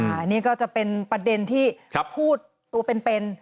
อันนี้ก็จะเป็นประเด็นที่พูดตัวเป็น